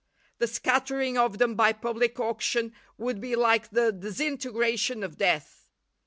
The scattering of them by public auction would be like the disintegration of death.